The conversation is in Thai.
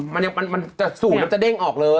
มันจะสูดแล้วจะเด้งออกเลย